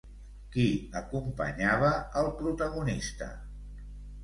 Qui acompanyava el protagonista?